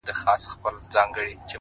هره هڅه د بریا نږدېوالی زیاتوي,